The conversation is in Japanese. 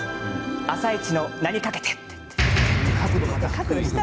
「あさイチ」の名にかけて。